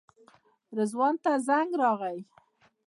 رضوان ته زنګ راغی.